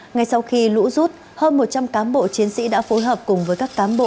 ngay sau khi lũ rút hơn một trăm linh cán bộ chiến sĩ đã phối hợp cùng với các cám bộ